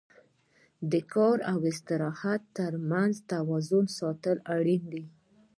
د کار او استراحت تر منځ توازن ساتل اړین دي.